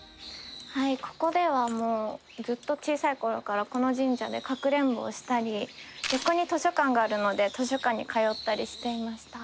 ここではもうずっと小さい頃からこの神社でかくれんぼをしたり横に図書館があるので図書館に通ったりしていました。